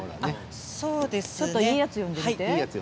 ちょっといいやつ読んでみて。